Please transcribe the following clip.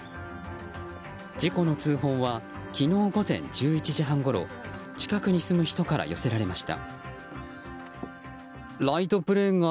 事故の通報は昨日午前１１時半ごろ近くに住む人から寄せられました。